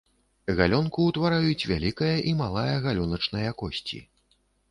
Галёнку ўтвараюць вялікая і малая галёначныя косці.